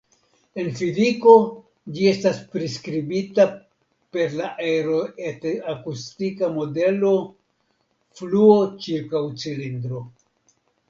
En fiziko ĝi estas priskribita per la aeroakustika modelo "fluo ĉirkaŭ cilindro".